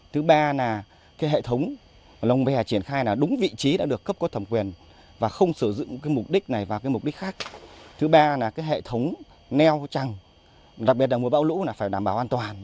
thứ ba là hệ thống neo trăng đặc biệt là mùa bão lũ phải đảm bảo an toàn